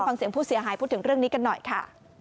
ฟังเสียงผู้เสียหายพูดถึงเรื่องนี้กันหน่อยค่ะ